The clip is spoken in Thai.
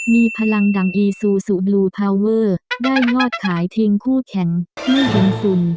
มีพลังดังอีซูซูลูพาวเวอร์ได้ยอดขายทิ้งคู่แข่งไม่เป็นสุน